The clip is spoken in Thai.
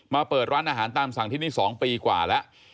เปิดร้านอาหารตามสั่งที่นี่๒ปีกว่าแล้ว